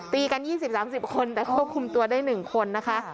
ตีกันยี่สิบสามสิบคนแต่ควบคุมตัวได้หนึ่งคนนะคะ